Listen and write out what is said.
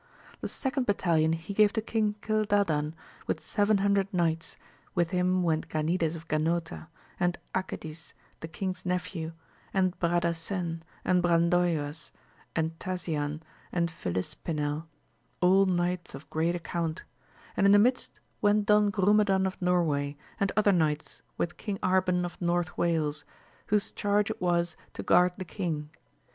The second battalion he gave to King Gil dadan with seven hundred knights, with him went Ganides of Ganota, and Acedis the king's nephew, and Bradasen and Brandoyuas, and Tasian and FiMs pinel, all knights of great account, and in the midst 188 AMADIS OF GAUL. went Don Grumedan of Norway, and other knights with King Arban of North Wales, whose charge it was to guard the king.